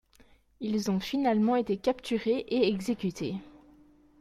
Ils ont finalement été capturés et exécutés.